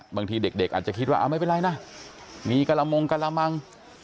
บางทีเด็กอาจจะคิดว่าไม่เป็นไรนะมีกระมงกระมัง